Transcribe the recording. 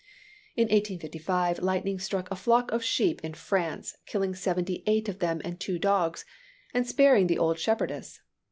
In 1855, lightning struck a flock of sheep in France, killing seventy eight of them and two dogs, and sparing the old shepherdess.